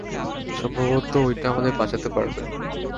সম্ভবত ঐটা আমাদের বাঁচাতে পারবে।